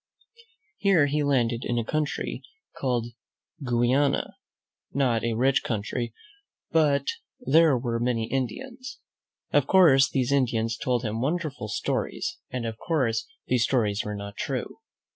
Here he landed in a country called Guiana, not a rich country, but where there were many Indians. Of course, these Indians told him wonderful stories, and, of course, these stories were not true.